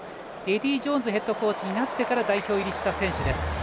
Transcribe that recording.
エディー・ジョーンズヘッドコーチになってから代表入りした選手です。